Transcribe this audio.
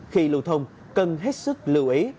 khi lưu thông cần hết sức lưu ý